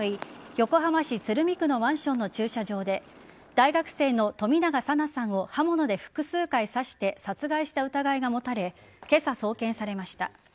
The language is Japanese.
横浜市鶴見区のマンションの駐車場で大学生の冨永紗菜さんを刃物で複数回刺して殺害した疑いが持たれ今朝、送検されました。